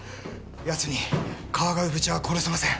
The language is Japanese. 奴に川越部長は殺せません。